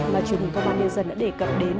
mà chủ tịch công an nhân dân đã đề cập đến